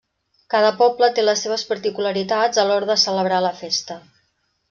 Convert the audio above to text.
Cada poble té les seves particularitats a l'hora de celebrar la festa.